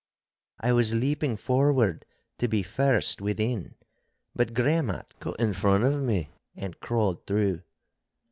I was leaping forward to be first within, but Gremmat got in front of me and crawled through.